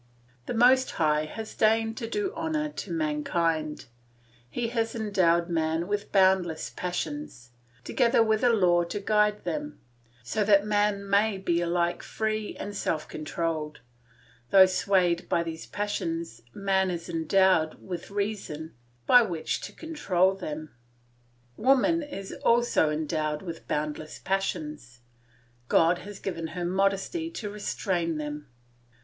The Most High has deigned to do honour to mankind; he has endowed man with boundless passions, together with a law to guide them, so that man may be alike free and self controlled; though swayed by these passions man is endowed with reason by which to control them. Woman is also endowed with boundless passions; God has given her modesty to restrain them.